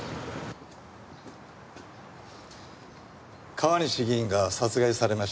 川西議員が殺害されました。